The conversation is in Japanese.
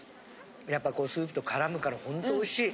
やっぱこうスープと絡むからほんとおいしい。